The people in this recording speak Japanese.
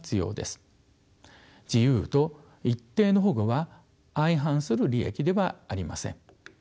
自由と一定の保護は相反する利益ではありません。